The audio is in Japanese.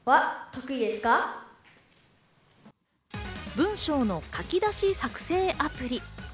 文章の書き出し作成アプリ。